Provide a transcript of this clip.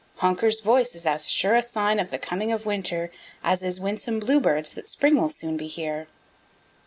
Honker's voice is as sure a sign of the coming of winter as is Winsome Bluebird's that spring will soon be here."